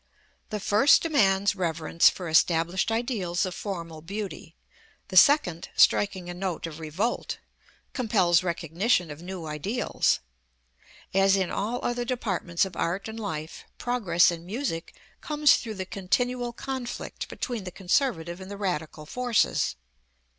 The first demands reverence for established ideals of formal beauty; the second, striking a note of revolt, compels recognition of new ideals. As in all other departments of art and life, progress in music comes through the continual conflict between the conservative and the radical forces.